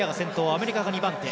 アメリカが２番手。